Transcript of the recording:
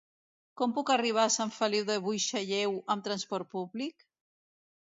Com puc arribar a Sant Feliu de Buixalleu amb trasport públic?